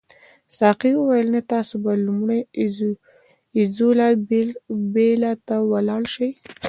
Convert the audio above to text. ساقي وویل نه تاسي به لومړی ایزولا بیلا ته ولاړ شئ.